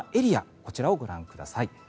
こちらをご覧ください。